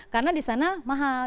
karena di sana mahal